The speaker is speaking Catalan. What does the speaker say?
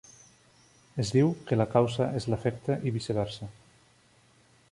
Es diu que la causa és l'efecte i viceversa.